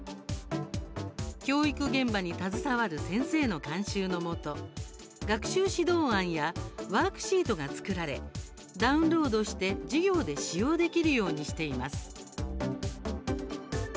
教育現場に携わる先生の監修のもと、学習指導案やワークシートが作られダウンロードして、授業で使用できるようにしています。